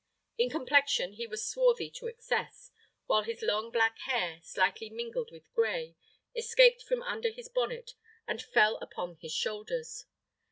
In complexion he was swarthy to excess, while his long black hair, slightly mingled with gray, escaped from under his bonnet and fell upon his shoulders.